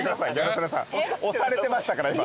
押されてましたから今。